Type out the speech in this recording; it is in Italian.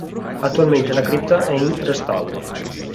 Attualmente la cripta è in restauro.